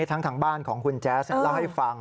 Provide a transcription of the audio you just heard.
ทั้งทางบ้านของคุณแจ๊สเล่าให้ฟัง